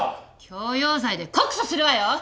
強要罪で告訴するわよ若造！